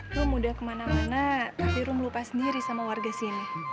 lo mudah kemana mana tapi rum lupa sendiri sama warga sini